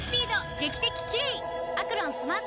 劇的キレイ！